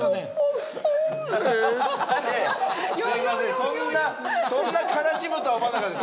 そんなそんな悲しむとは思わなかったです。